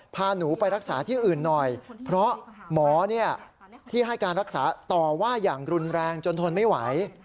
พาหนูไปรักษาที่อื่นหน่อยเพราะหมอที่ให้การรักษาต่อว่าอย่างรุนแรงจนทนไม่ไหว